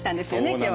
今日。